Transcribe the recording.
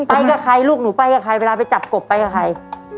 ไปกับใครลูกนูไปกับใคร